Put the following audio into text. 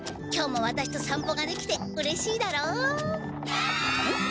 今日もワタシとさんぽができてうれしいだろう。